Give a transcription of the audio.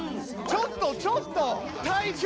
ちょっとちょっと隊長！